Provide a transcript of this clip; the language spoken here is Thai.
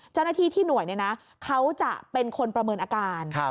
เจ้าหน้าที่ที่หน่วยเนี่ยนะเขาจะเป็นคนประเมินอาการ